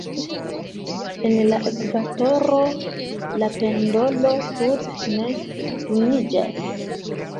En la ekvatoro, la pendolo tute ne turniĝas.